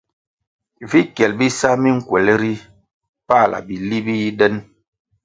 Vi kyel bisa minkwelʼ ri pala bili bi yi den.